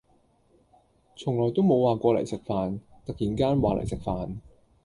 從來都冇話嚟食飯，突然間話嚟食飯